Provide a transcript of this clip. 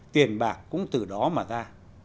tiền bạc cũng từ đó mà ra